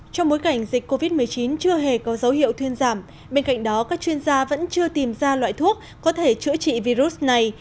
trong bối cảnh dịch covid một mươi chín chưa hề có dấu hiệu thuyên giảm bên cạnh đó các chuyên gia vẫn chưa tìm ra loại thuốc có thể chữa trị virus này